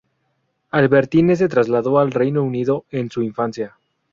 Albertine se trasladó al Reino Unido en su infancia.